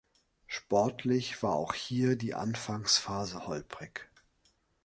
Sportlich war auch hier die Anfangsphase holprig.